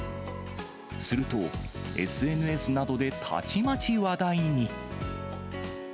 すると、ＳＮＳなどでたちまち話題に。